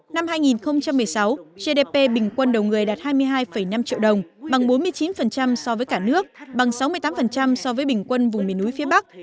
năm hai nghìn một mươi sáu gdp bình quân đầu người đạt hai mươi hai năm triệu đồng bằng bốn mươi chín so với cả nước bằng sáu mươi tám so với bình quân vùng miền núi phía bắc